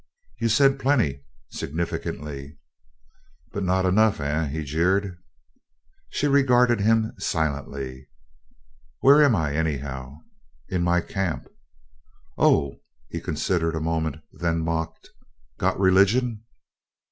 "You said plenty," significantly. "But not enough, eh?" he jeered. She regarded him silently. "Where am I, anyhow?" "In my camp." "Oh." He considered a moment, then mocked, "Got religion?"